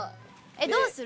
どうする？